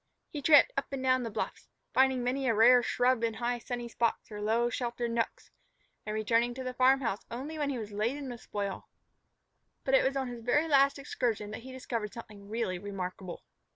He tramped up and down the bluffs, finding many a rare shrub in high, sunny spots or low, sheltered nooks, and returning to the farm house only when he was laden with spoil. But it was on his very last excursion that he discovered something really remarkable.